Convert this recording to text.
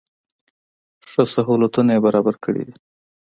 ښه سهولتونه یې برابر کړي دي.